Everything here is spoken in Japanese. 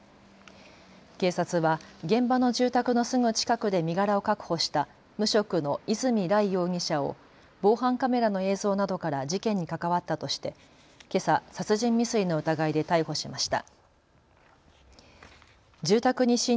警察は現場の住宅のすぐ近くで身柄を確保した無職の泉羅行容疑者を防犯カメラの映像などから事件に関わったとして、けさ殺人未遂の疑いで逮捕しました。